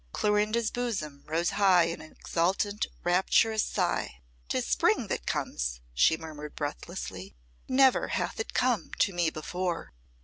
Clorinda's bosom rose high in an exultant, rapturous sigh. "'Tis the Spring that comes," she murmured breathlessly. "Never hath it come to me before."